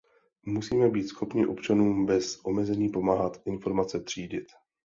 Musíme být schopni občanům bez omezení pomáhat informace třídit.